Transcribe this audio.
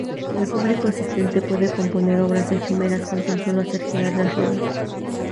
El público asistente puede componer obras efímeras con tan sólo hacer girar las ruedas.